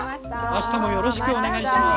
あしたもよろしくお願いします。